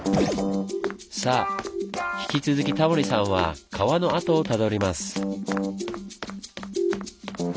さあ引き続きタモリさんは川の跡をたどります。